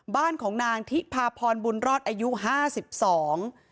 บ้านของนางทิพาพรบุญรอดอายุห้าสิบสอง